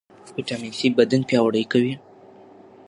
ویټامین سي بدن پیاوړی کوي.